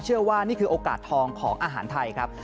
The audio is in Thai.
เชื่อว่านี่คือโอกาสทองของอาหารไทยครับ